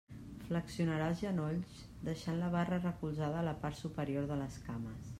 Flexionarà els genolls deixant la barra recolzada a la part superior de les cames.